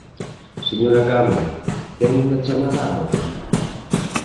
¡Señora Caamaño, ten unha chamada á orde!